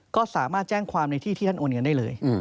ก็สามารถแจ้งความในที่ที่ท่านโอนเงินได้เลย